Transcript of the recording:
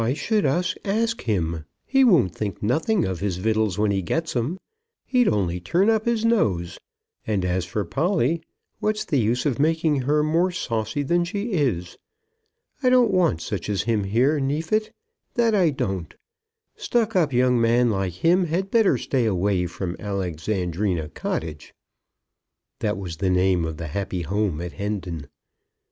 "Why should us ask him? He won't think nothing of his vittels when he gets 'em. He'd only turn up his nose; and as for Polly, what's the use of making her more saucy than she is? I don't want such as him here, Neefit; that I don't. Stuck up young men like him had better stay away from Alexandrina Cottage," that was the name of the happy home at Hendon.